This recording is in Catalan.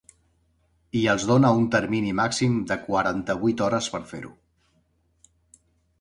I els dóna un termini màxim de quaranta-vuit hores per fer-ho.